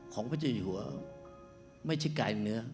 พระเจ้าอยู่หัวไม่ใช่กายเนื้อ